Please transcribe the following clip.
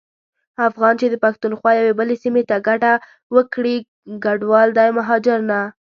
افغان چي د پښتونخوا یوې بلي سيمي ته کډه وکړي کډوال دی مهاجر نه.